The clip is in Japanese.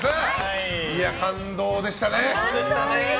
感動でしたね。